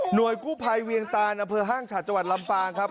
หน่วยกู้ภัยเวียงตานับเผลอห้างฉาจวันลำปางครับ